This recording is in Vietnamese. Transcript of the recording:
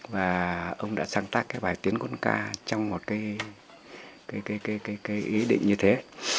và ông đã sáng tác cái bài tiến quân ca trong một cái ý định như thế